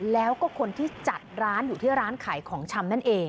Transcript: แล้วก็คนที่จัดร้านอยู่ที่ร้านขายของชำนั่นเอง